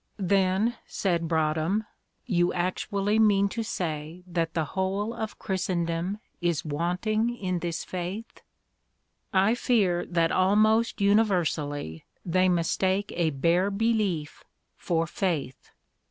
"Then," said Broadhem, "you actually mean to say that the whole of Christendom is wanting in this faith?" "I fear that almost universally they mistake a bare belief for faith.